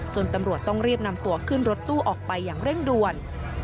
ตำรวจต้องรีบนำตัวขึ้นรถตู้ออกไปอย่างเร่งด่วน